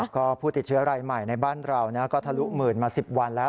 ก็ผู้ติดเชื้อรายใหม่ในบ้านเราก็ทะลุหมื่นมา๑๐วันแล้ว